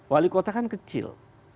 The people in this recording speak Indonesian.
wali kota kan kecil